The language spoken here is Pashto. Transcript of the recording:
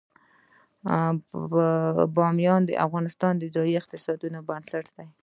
بامیان د افغانستان د ځایي اقتصادونو بنسټ دی.